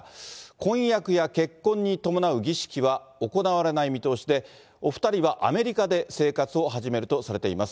婚約や結婚に伴う儀式は行われない見通しで、お２人はアメリカで生活を始めるとされています。